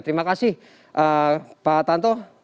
terima kasih pak tanto